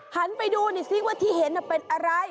หันไปดูหน่อยซิว่าที่เห็นเป็นอะไร